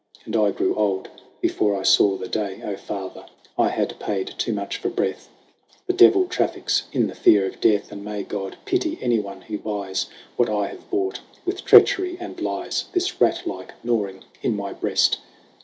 And I grew old before I saw the day. Father, I had paid too much for breath ! The Devil traffics in the fear of death, And may God pity anyone who buys What I have bought with treachery and lies This rat like gnawing in my breast